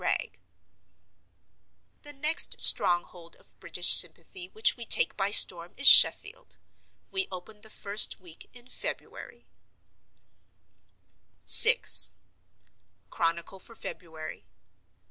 WRAGGE ——————————————————————————— The next stronghold of British sympathy which we take by storm is Sheffield. We open the first week in February. VI. Chronicle for February.